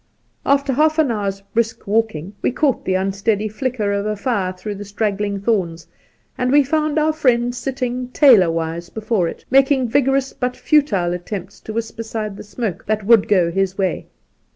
After half an hour's brisk walking, we caught the unsteady flicker of a fire through the straggling thorns, and we found our friend sitting tailorwise before it, making vigorous but futile attempts to wisp aside the smoke that would go his way.